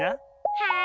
はい。